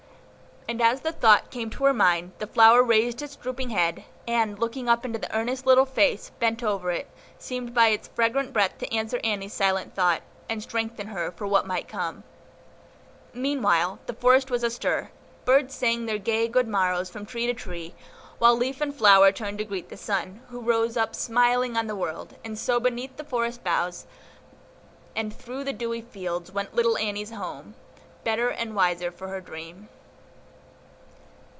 And as the thought came to her mind, the flower raised its drooping head, and, looking up into the earnest little face bent over it, seemed by its fragrant breath to answer Annie's silent thought, and strengthen her for what might come. Meanwhile the forest was astir, birds sang their gay good morrows from tree to tree, while leaf and flower turned to greet the sun, who rose up smiling on the world; and so beneath the forest boughs and through the dewy fields went little Annie home, better and wiser for her dream.